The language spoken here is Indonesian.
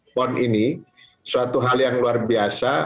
pon ini suatu hal yang luar biasa